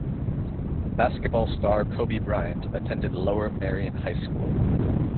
Basketball star Kobe Bryant attended Lower Merion High School.